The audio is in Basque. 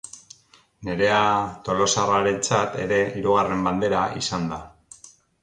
Nerea tolosarrarentzat ere hirugarren bandera izan da.